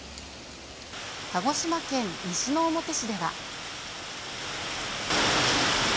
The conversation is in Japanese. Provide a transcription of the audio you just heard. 鹿児島県西之表市では。